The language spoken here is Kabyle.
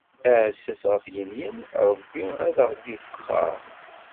Aɛessas ɣef yinyen Ṛebbi ad aɣ-d-ibexxeṛ.